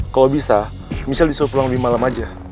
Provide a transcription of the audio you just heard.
kalo bisa michelle disuruh pulang lebih malem aja